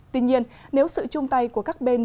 tuy nhiên nếu sự chung tay của các bên